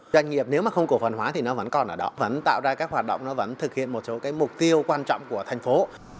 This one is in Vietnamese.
doanh nghiệp nếu mà không cổ phần hóa thì nó vẫn còn ở đó vẫn tạo ra các hoạt động nó vẫn thực hiện một số cái mục tiêu quan trọng của thành phố